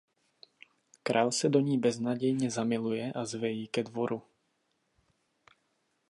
Král se do ní beznadějně zamiluje a zve ji ke dvoru.